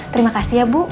terima kasih ya bu